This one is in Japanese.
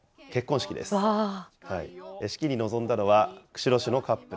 式に臨んだのは、釧路市のカップル。